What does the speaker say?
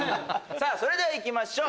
それではいきましょう！